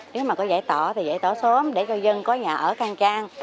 nếu mà có giải tỏa thì giải tỏa sớm để cho dân có nhà ở khang trang